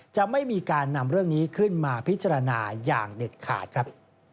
จะไม่มีการนำเรื่องนี้ขึ้นมาพิจารณาอย่างเด็ดขาดครับ